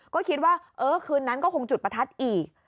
ก็คิดว่าเออคืนนั้นก็คงจุดประทัดอีก